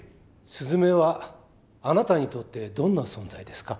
すずめはあなたにとってどんな存在ですか？